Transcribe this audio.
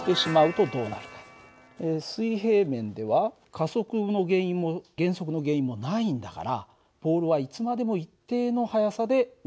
水平面では加速の原因も減速の原因もないんだからボールはいつまでも一定の速さで運動をする。